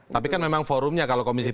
tapi kan memang forumnya kalau komisi tiga